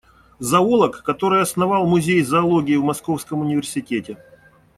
Зоолог, который основал музей зоологии в Московском университете.